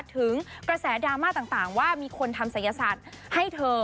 ถึงกระแสดราม่าต่างว่ามีคนทำศัยศาสตร์ให้เธอ